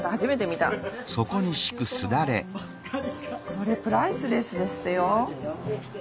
これプライスレスですよ。